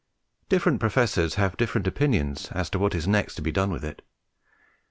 Different professors have different opinions as to what is next to be done with it.